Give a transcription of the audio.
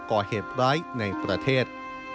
ก่อเหตุร้ายในประเทศ